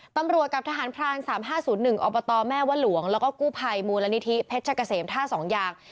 กับทหารพราน๓๕๐๑อบตแม่วะหลวงแล้วก็กู้ภัยมูลนิธิเพชรเกษมท่า๒อย่าง